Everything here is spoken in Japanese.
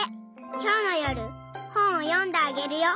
きょうのよるほんをよんであげるよ。